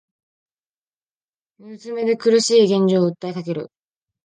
膝詰めで苦しい現状を訴えかける